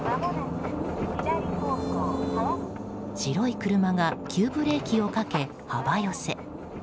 白い車が急ブレーキをかけ幅寄せ。